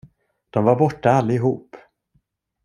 De var borta allihop.